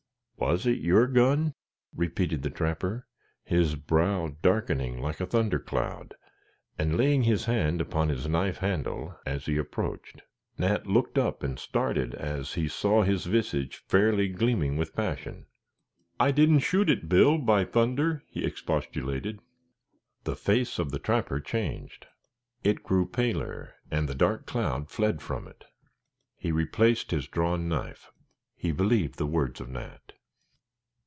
"Was it your gun?" repeated the trapper, his brow darkening like a thunder cloud, and laying his hand upon his knife handle, as he approached. Nat looked up and started as he saw his visage fairly gleaming with passion. "I didn't shoot it, Bill, by thunder!" he expostulated. The face of the trapper changed. It grew paler, and the dark cloud fled from it. He replaced his drawn knife. He believed the words of Nat.